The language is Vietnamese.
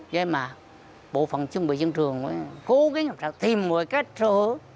vậy mà bộ phận chuẩn bị dân trường cố gắng làm sao tìm mọi cách sở